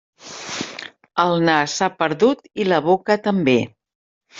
El nas s'ha perdut i la boca també.